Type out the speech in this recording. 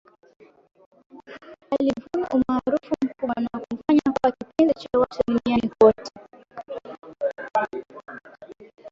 Alivuna umaarufu mkubwa na kumfanya kuwa kipenzi cha watu duniani kote